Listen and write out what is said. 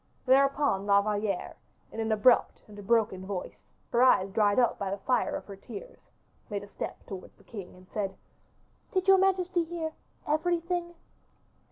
Thereupon La Valliere, in an abrupt and a broken voice, her eyes dried up by the fire of her tears, made a step towards the king, and said, "Did your majesty hear everything?"